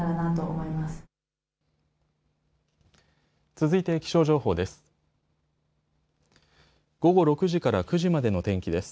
続いて気象情報です。